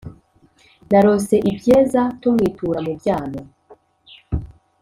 Narose ibyeza tumwitura mu byano